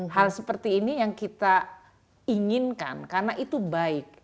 hal seperti ini yang kita inginkan karena itu baik